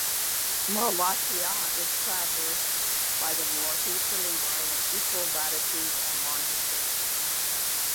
Malatya is traversed by the northeasterly line of equal latitude and longitude.